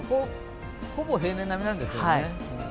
ほぼ平年並みなんですけどね。